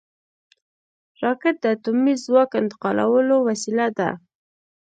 راکټ د اټومي ځواک انتقالولو وسیله ده